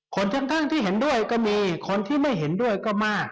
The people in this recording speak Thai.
คนข้างที่เห็นด้วยก็มีคนที่ไม่เห็นด้วยก็มาก